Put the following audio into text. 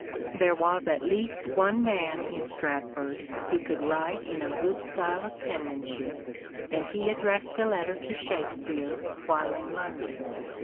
There was at least one man in Stratford who could write in a good style of penmanship, and he addressed a letter to Shakspere while in London.